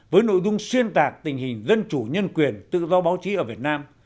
với nội dung xuyên tạc tình hình dân chủ nhân quyền tự do báo chí ở việt nam